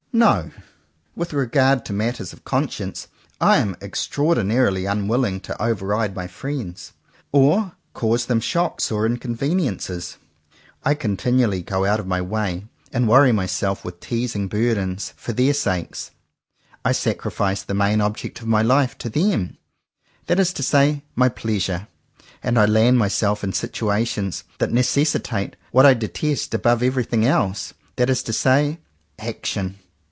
No: with regard to matters of conscience, I am extraordinarily unwilling to over ride my friends, or cause them shocks or in conveniences. I continually go out of my 70 JOHN COWPER POWYS way, and worry myself with teasing bur dens, for their sakes. I sacrifice the main object of my Hfe to them, that is to say my Pleasure; and I land myself in situations that necessitate what I detest above every thing else, that is to say action.